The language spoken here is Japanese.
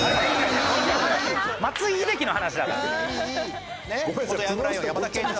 松井秀喜の話だから。